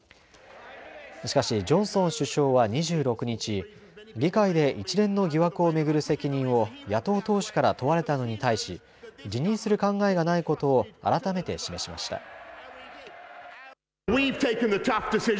しかしジョンソン首相は２６日、議会で一連の疑惑を巡る責任を野党党首から問われたのに対し、辞任する考えがないことを改めて示しました。